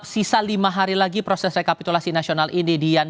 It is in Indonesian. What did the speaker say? sisa lima hari lagi proses rekapitulasi nasional ini dian